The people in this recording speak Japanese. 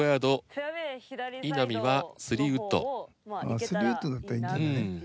あっ３ウッドだったらいいんじゃない？